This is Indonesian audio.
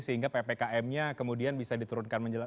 sehingga ppkm nya kemudian bisa diturunkan menjelang